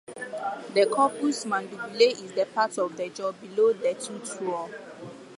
The Corpus mandibulae is the part of the jaw below the tooth row.